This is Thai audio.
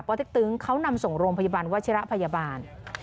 ติ๊กตึงเขานำส่งโรงพยาบาลวัชิระพยาบาล